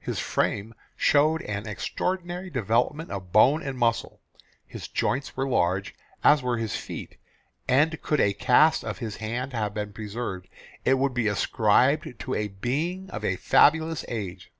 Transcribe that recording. His frame showed an extraordinary development of bone and muscle; his joints were large, as were his feet; and could a cast of his hand have been preserved, it would be ascribed to a being of a fabulous age.